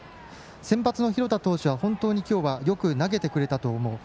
先発の廣田投手は本当に今日はよく投げてくれたと思います。